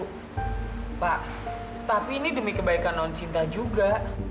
bu pak tapi ini demi kebaikan non sinta juga